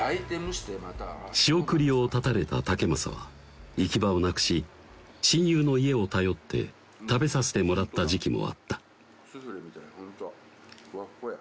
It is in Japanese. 仕送りを断たれた竹政は行き場をなくし親友の家を頼って食べさせてもらった時期もあったそりゃ